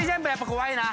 怖いな。